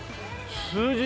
数字。